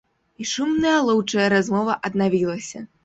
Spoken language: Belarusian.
І шумная лоўчая размова аднавілася.